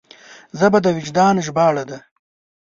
ژبه د وجدان ژباړه ده